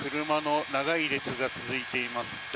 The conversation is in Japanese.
車の長い列が続いています。